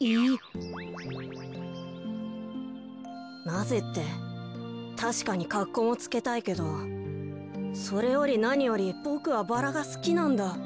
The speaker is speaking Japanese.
なぜってたしかにかっこもつけたいけどそれよりなによりボクはバラがすきなんだ。